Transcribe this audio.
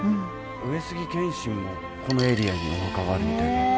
上杉謙信もこのエリアにお墓があるみたいで。